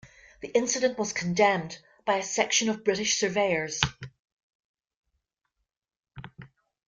The incident was condemned by a section of British surveyors.